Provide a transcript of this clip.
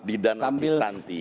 di danau cisanti